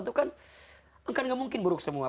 itu kan enggak mungkin buruk semua